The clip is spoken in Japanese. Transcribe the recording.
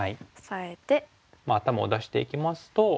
頭を出していきますと。